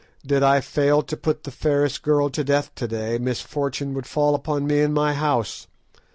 Did I fail to put the fairest girl to death to day, misfortune would fall upon me and my house.